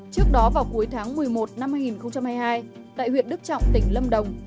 trước đó vào cuối tháng một mươi một năm hai nghìn hai mươi hai tại huyện đức trọng tỉnh lâm đồng